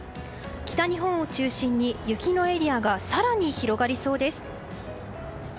北日本を中心に雪のエリアが更に広がりそうです。